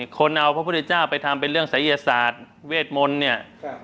คนเอาพระพุทธเจ้าไปทำเป็นเรื่องศัยศาสตร์เวทมนต์เนี่ย